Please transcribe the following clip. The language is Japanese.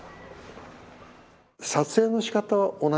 撮影のしかたは同じです。